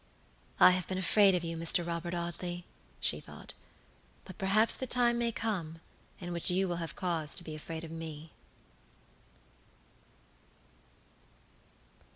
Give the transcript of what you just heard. "I have been afraid of you, Mr. Robert Audley," she thought; "but perhaps the time may come in which you will have cause to be afraid of me."